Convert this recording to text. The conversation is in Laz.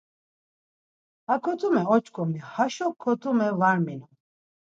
Ha kotume oç̌ǩomi, haşo kotume var minon.